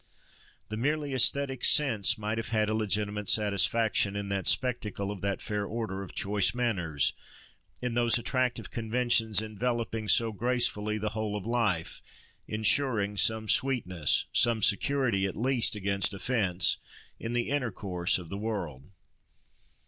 The merely æsthetic sense might have had a legitimate satisfaction in the spectacle of that fair order of choice manners, in those attractive conventions, enveloping, so gracefully, the whole of life, insuring some sweetness, some security at least against offence, in the intercourse of the world.